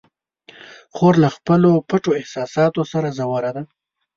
خور له خپلو پټو احساساتو سره ژوره ده.